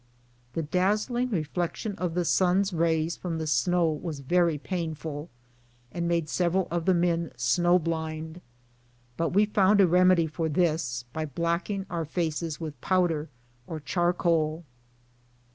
The dazzling reflection of the sun's rays from the snow was very painful, and made several of the men snow blind ; but we found a remedy for this by blacking our faces with powder or charcoal.